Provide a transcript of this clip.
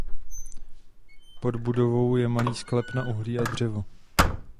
Pod budovou je malý sklep na uhlí a dřevo.